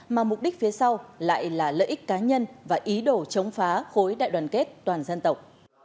mà mục đích phía sau lại là lợi ích cá nhân và ý đồ chống phá khối đại đoàn kết toàn dân tộc